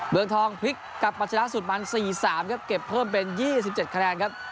เบื้องทองพลิกกับปัจจนาศสุดมัน๔๓ก็เก็บเพิ่มเป็น๒๗คะแรนครับ